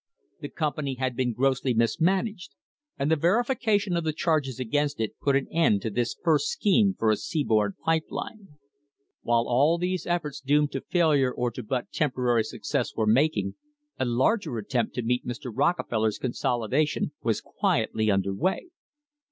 The company had been grossly mismanaged, and the verification of the charges against it put an end to this first scheme for a seaboard pipe line. While all these efforts doomed to failure or to but tem porary success were making, a larger attempt to meet Mr.; Rockefeller's consolidation was quietly under way.